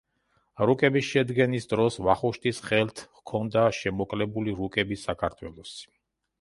რუკების შედგენის დროს ვახუშტის ხელთ ჰქონდა „შემოკლებული რუკები“ საქართველოსი.